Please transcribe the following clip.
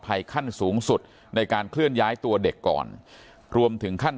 ขั้นสูงสุดในการเคลื่อนย้ายตัวเด็กก่อนรวมถึงขั้น